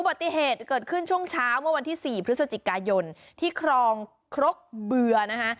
ปฏิเหตุเกิดขึ้นช่วงเช้าเมื่อวันที่๔พฤศจิกายนที่ครองครกเบื่อนะคะ